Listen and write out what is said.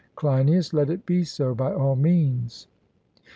CLEINIAS: Let it be so, by all means.